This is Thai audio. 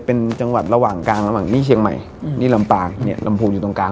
เป็นตัวเลข